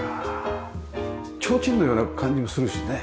ちょうちんのような感じもするしね。